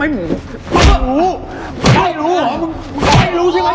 ไม่รู้ไม่รู้หรอไม่รู้ใช่มั้ย